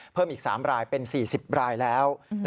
เพิ่มอีก๓รายเป็น๔๐รายแล้ว